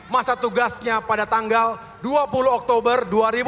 masa tugasnya pada tanggal dua puluh oktober dua ribu dua puluh